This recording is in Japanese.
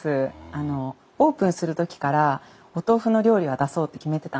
あのオープンする時からお豆腐の料理は出そうって決めてたんですよ。